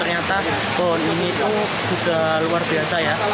ternyata pohon ini itu juga luar biasa ya